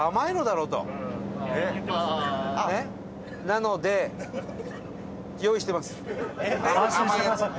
なので、用意してます甘いやつ。